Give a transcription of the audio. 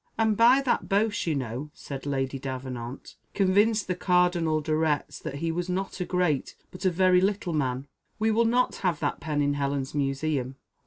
"And by that boast you know," said Lady Davenant, "convinced the Cardinal de Retz that he was not a great, but a very little man. We will not have that pen in Helen's museum."